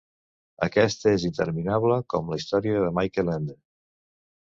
Aquesta és interminable, com la història de Michael Ende.